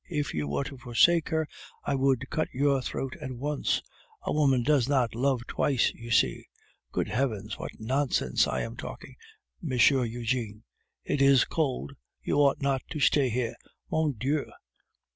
If you were to forsake her, I would cut your throat at once. A woman does not love twice, you see! Good heavens! what nonsense I am talking, M. Eugene! It is cold; you ought not to stay here. _Mon Dieu!